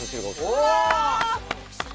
うわ！